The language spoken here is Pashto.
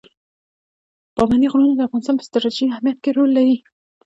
پابندی غرونه د افغانستان په ستراتیژیک اهمیت کې رول لري.